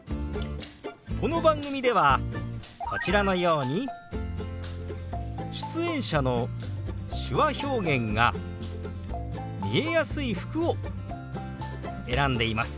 この番組ではこちらのように出演者の手話表現が見えやすい服を選んでいます。